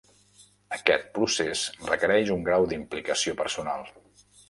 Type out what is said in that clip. Aquest procés requereix un grau d'implicació personal.